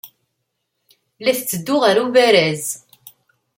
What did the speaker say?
La tetteddu ɣer ubaraz.